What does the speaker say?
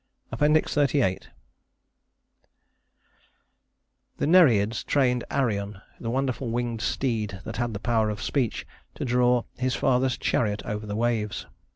XXXVIII The Nereides trained Arion, the wonderful winged steed that had the power of speech, to draw his father's chariot over the waves.